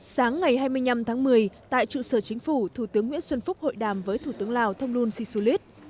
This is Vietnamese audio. sáng ngày hai mươi năm tháng một mươi tại trụ sở chính phủ thủ tướng nguyễn xuân phúc hội đàm với thủ tướng lào thonglun sisulit